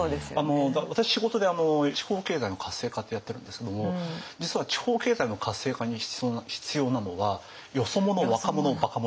私仕事で地方経済の活性化ってやってるんですけども実は地方経済の活性化に必要なのはよそ者若者バカ者